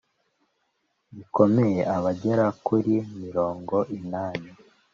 gikomeye abagera kuri mirongo inani